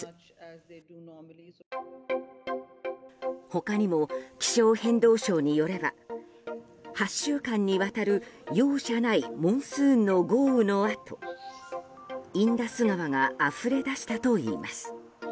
他にも、気象変動相によれば８週間にわたる容赦ないモンスーンの豪雨のあとインダス川があふれ出したといいます。